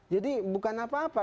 jadi bukan apa apa